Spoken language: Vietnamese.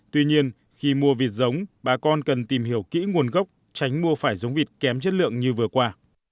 tuy nhiên khi mua vịt giống bà con cần tìm hiểu kỹ nguồn gốc tránh mua phải giống vịt kém chất lượng như vừa qua